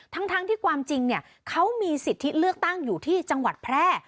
ทั้งที่ความจริงเขามีสิทธิเลือกตั้งอยู่ที่จังหวัดแพร่